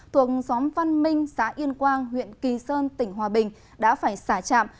thuộc xóm văn minh xã yên quang huyện kỳ sơn tỉnh hòa bình đã phải xả trạm